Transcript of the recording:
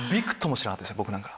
僕なんか。